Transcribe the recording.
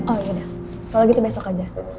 oh ya udah kalo gitu besok aja